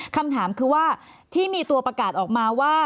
คำถามคือว่าที่มีตัวประกาศออกมาว่า